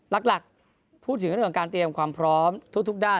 หลักพูดถึงเรื่องของการเตรียมความพร้อมทุกด้าน